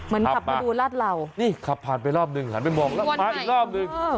เหมือนขับมาดูราจเหล่านี่ขับผ่านไปรอบนึงฝันไปมองแล้วมันได้อีกรอบนึง